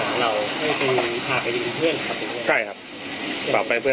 คือพี่ชัดเขาก็เป็นคนโทรหาเรา